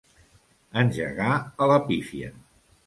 Engegar a la pífia.